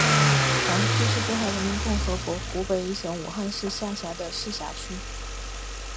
黄区是中华人民共和国湖北省武汉市下辖的市辖区。